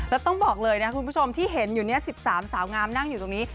แล้วต้องบอกเลยนะคุณผู้ชมที่เห็นอยู่๑๓สาวงามนั่งอยู่ตรงนี้